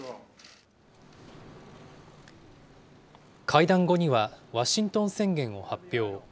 会談後にはワシントン宣言を発表。